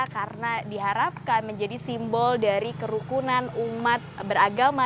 karena diharapkan menjadi simbol dari kerukunan umat beragama